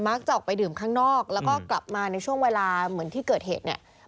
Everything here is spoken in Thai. จะออกไปดื่มข้างนอกแล้วก็กลับมาในช่วงเวลาเหมือนที่เกิดเหตุเนี่ย